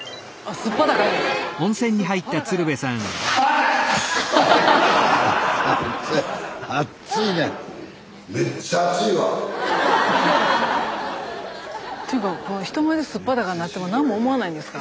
スタジオというか人前で素っ裸になっても何も思わないんですか？